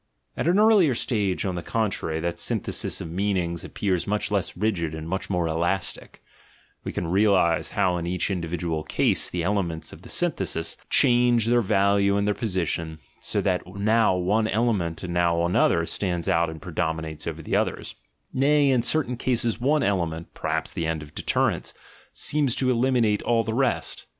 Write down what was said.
At an earlier stage, on the contrary, that synthesis of mean ings appears much less rigid and much more elastic; we can realise how in each individual case the elements of the synthesis change their value and their position, so that now one element and now another stands nut and pre "GUILT" AND "BAD CONSCIENCE" 71 dominates over the others, nay, in certain cases one ele ment (perhaps the end of deterrence) seems to eliminate all the rest.